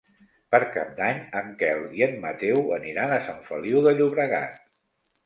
Per Cap d'Any en Quel i en Mateu aniran a Sant Feliu de Llobregat.